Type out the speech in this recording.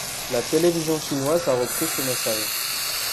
La télévision chinoise a repris ce message.